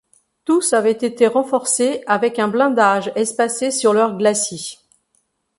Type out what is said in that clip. Tous avaient été renforcés avec un blindage espacé sur leur glacis.